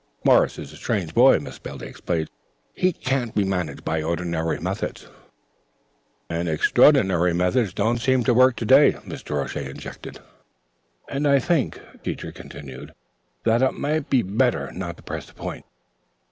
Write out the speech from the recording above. "Morris is a strange boy," Miss Bailey explained. "He can't be managed by ordinary methods " "And extraordinary methods don't seem to work to day," Mr. O'Shea interjected. "And I think," Teacher continued, "that it might be better not to press the point."